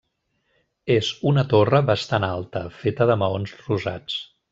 És una torre bastant alta, feta de maons rosats.